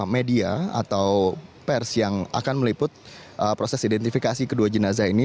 media atau pers yang akan meliput proses identifikasi kedua jenazah ini